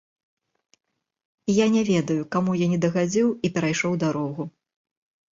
Я не ведаю, каму я не дагадзіў і перайшоў дарогу.